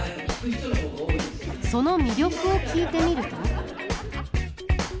その魅力を聞いてみると。